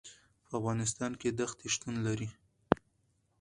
په افغانستان کې دښتې شتون لري.